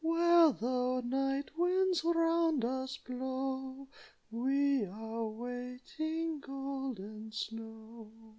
Where the night winds round us blow We are waiting, Golden Snow."